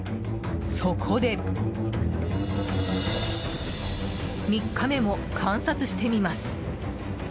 そこで３日目も観察してみます。